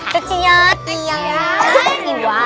kecil hati ya kan